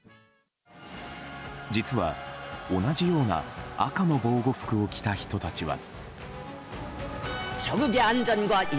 実は、同じような赤の防護服を着た人たちは。